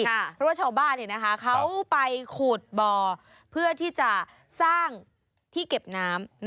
เพราะว่าชาวบ้านเขาไปขูดบ่อเพื่อที่จะสร้างที่เก็บน้ำ